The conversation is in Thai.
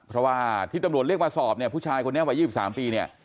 เพราะว่าที่ตำรวจเรียกมาสอบเนี่ยผู้ชายคนนี้วัย๒๓ปีเนี่ย